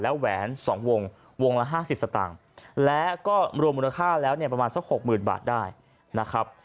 และแหวน๒วงวงละ๕๐สตางค์และก็รวมมูลค่าแล้วเนี่ยประมาณสัก๖๐๐๐บาทได้นะครับ